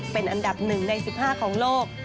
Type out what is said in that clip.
เป็นอันดับ๑ใน๑๕ของโลก